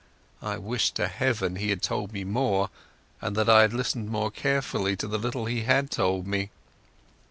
I wished to Heaven he had told me more, and that I had listened more carefully to the little he had told me.